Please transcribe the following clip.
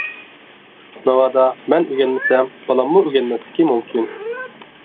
ناۋادا، مەن ئۆگەنمىسەم، بالاممۇ ئۆگەنمەسلىكى مۇمكىن.